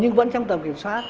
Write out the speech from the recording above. nhưng vẫn trong tầm kiểm soát